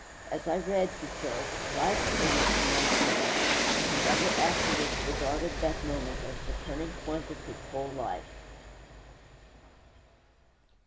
_' 'As I read,' he says, 'light came into my soul,' and he ever afterwards regarded that moment as the turning point of his whole life.